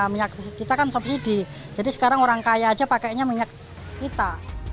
minyak kita kan subsidi jadi sekarang orang kaya aja pakainya minyak kita